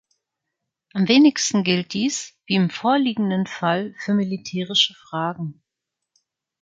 Am wenigstens gilt dies, wie im vorliegenden Fall, für militärische Fragen.